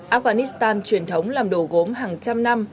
afghanistan truyền thống làm đồ gốm hàng trăm năm